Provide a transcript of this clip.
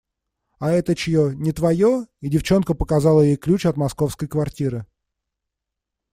– А это чье? Не твое? – И девчонка показала ей ключ от московской квартиры.